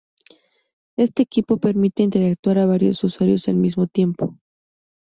Este equipo permite interactuar a varios usuarios al mismo tiempo.